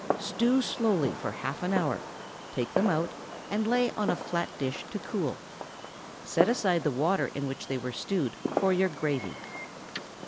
Stew slowly for half an hour, take them out, and lay on a flat dish to cool. Set aside the water in which they were stewed for your gravy.